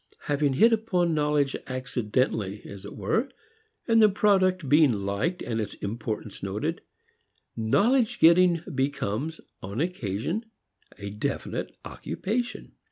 Having hit upon knowledge accidentally, as it were, and the product being liked and its importance noted, knowledge getting becomes, upon occasion, a definite occupation.